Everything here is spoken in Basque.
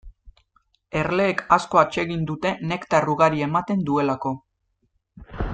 Erleek asko atsegin dute nektar ugari ematen duelako.